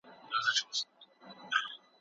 که عدالت نه وي ګډوډي راځي.